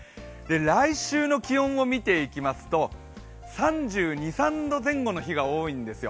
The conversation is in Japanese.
来週の気温を見ていきますと、３２３３度の日が多いんですよ。